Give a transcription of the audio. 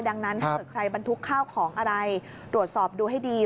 ดังนั้นถ้าเกิดใครบรรทุกข้าวของอะไรตรวจสอบดูให้ดี